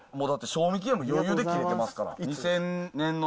だって賞味期限も余裕で切れてますから。